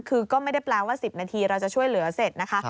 คือก็ไม่ได้แปลว่า๑๐นาทีเราจะช่วยเหลือเสร็จนะคะ